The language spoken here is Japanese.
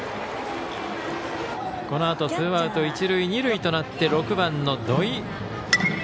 このあと、ツーアウト一塁二塁となって６番の土肥。